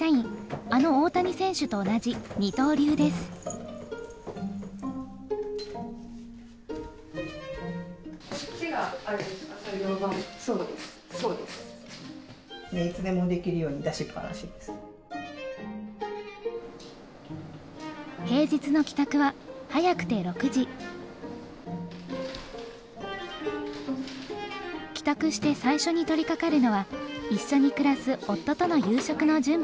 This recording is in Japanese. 帰宅して最初に取りかかるのは一緒に暮らす夫との夕食の準備です。